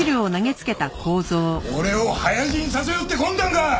俺を早死にさせようって魂胆か！